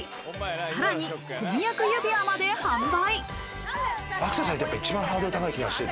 さらに婚約指輪まで販売。